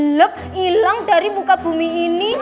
lep ilang dari muka bumi ini